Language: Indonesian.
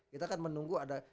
kita kan menunggu ada